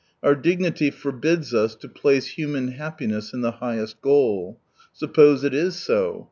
Our dignity forbids us to place human happiness in the highest goal. Suppose it is so